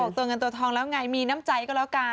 ตัวเงินตัวทองแล้วไงมีน้ำใจก็แล้วกัน